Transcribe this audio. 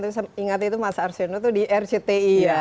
saya ingat itu mas arsio itu di rcti ya